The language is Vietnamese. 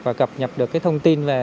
và cập nhập được cái thông tin về